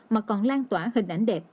mà còn lan tỏa hình ảnh đẹp